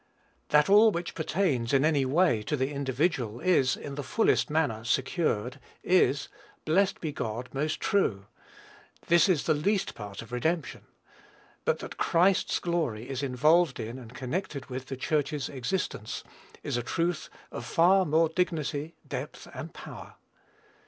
That all which pertains, in any way, to the individual is, in the fullest manner, secured, is, blessed be God, most true. This is the least part of redemption. But that Christ's glory is involved in, and connected with, the Church's existence, is a truth of far more dignity, depth, and power.